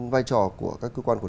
vai trò của các cơ quan của